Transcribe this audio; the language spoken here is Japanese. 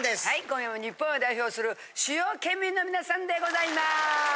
今夜も日本を代表する主要県民の皆さんでございます。